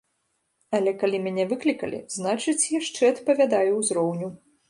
Але калі мяне выклікалі, значыць, яшчэ адпавядаю ўзроўню.